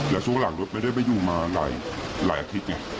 แต่ส่วนหลักรถไม่ได้ไปอยู่มาหลายอาทิตย์